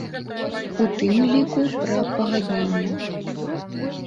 У тым ліку пра пагадненне.